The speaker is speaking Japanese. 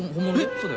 そうだよ。